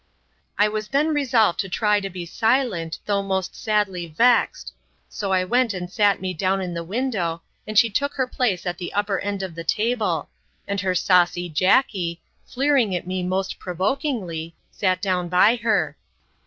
I was then resolved to try to be silent, although most sadly vexed.—So I went and sat me down in the window, and she took her place at the upper end of the table; and her saucy Jackey, fleering at me most provokingly, sat down by her.